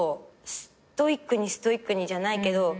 ストイックにストイックにじゃないけど。